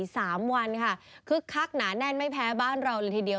สามวันค่ะคึกคักหนาแน่นไม่แพ้บ้านเราเลยทีเดียว